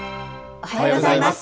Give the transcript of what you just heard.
おはようございます。